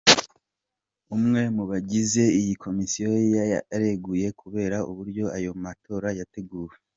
Umwe mu bagize iyi komisiyo yareguye kubera uburyo ayo matora yateguwe.